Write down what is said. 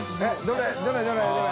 どれ？